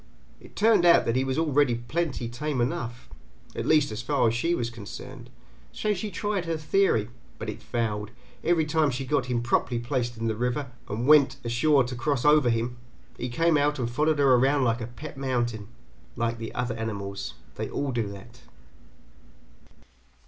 It turned out that he was already plenty tame enough at least as far as she was concerned so she tried her theory, but it failed: every time she got him properly placed in the river and went ashore to cross over him, he came out and followed her around like a pet mountain. Like the other animals. They all do that.